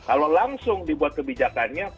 kalau langsung dibuat kebijakannya